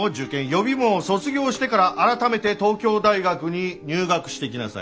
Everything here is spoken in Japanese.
予備門を卒業してから改めて東京大学に入学してきなさい。